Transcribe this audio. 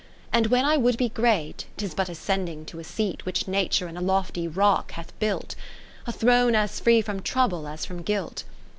And when I would be great, 51 'Tis but ascending to a seat Which Nature in a lofty rock hath built ; A throne as free from trouble as from guilt.